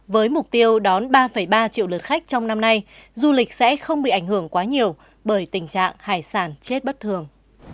với mục tiêu đón ba ba triệu lượt khách trong năm nay du lịch sẽ không bị ảnh hưởng quá nhiều bởi tình trạng hải sản chết bất thường